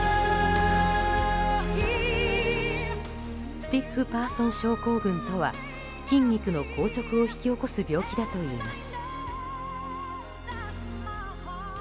スティッフパーソン症候群とは筋肉の硬直を引き起こす病気だといいます。